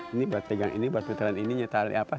ini buat pegang ini buat peteran ini nyetali apa